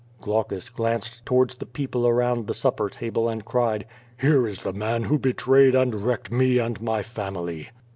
^' Glaucus glanced towards the people around the supper table and cried: "Here is the man who betrayed and wrecked me and my family."